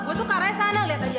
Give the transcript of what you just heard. gue tuh ke arahnya sana liat aja